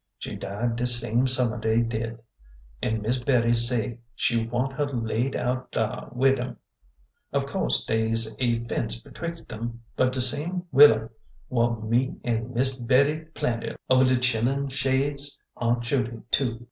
She died de same summer dey did, an' Miss Bettie say she want her laid out dar wid 'em. Of co'se dey 's a fence betwixt 'em, but de same wilier wha' me an' Miss Bettie planted over de chil'n shades Aunt Judy too.